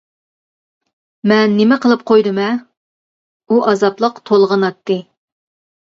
«مەن نېمە قىلىپ قويدۇم ھە» ئۇ ئازابلىق تولغىناتتى.